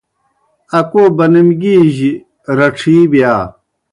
اکو بَنَمگیِ جیْ رڇِھی بِیا۔